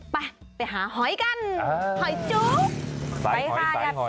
ไปไปหาหอยกันหอยจุ๊บ